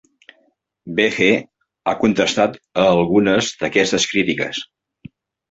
Behe ha contestat a algunes d'aquestes crítiques.